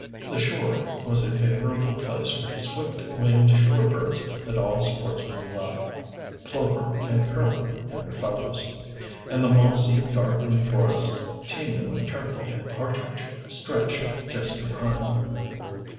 The shore was a favorable place for the swift winged shorebirds that all sportsmen love plover and curlew and their fellows. And the mossy, darkling forest, teeming with turkey and partridge, stretched just behind.